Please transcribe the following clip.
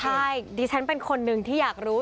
ใช่ดิฉันเป็นคนหนึ่งที่อยากรู้